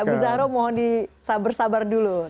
bu zahroh mohon di sabar sabar dulu ya